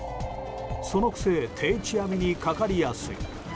そのくせ定置網にかかりやすい。